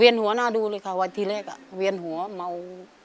เวียนหัวหน้าดูเลยค่ะวันที่แรกอ่ะเวียนหัวเมา